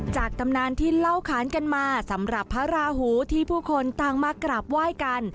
ตำนานที่เล่าขานกันมาสำหรับพระราหูที่ผู้คนต่างมากราบไหว้กัน